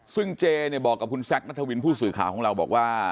ซึ่งเจเนี่ยบอกกับคุณแซคนัทวินผู้สื่อข่าวของเราบอกว่า